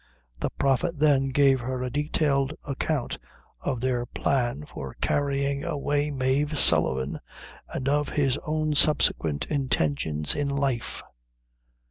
The Prophet then gave her a detailed account of their plan for carrying away Mave Sullivan, and of his own subsequent intentions in life.